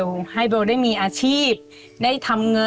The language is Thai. ลูกขาดแม่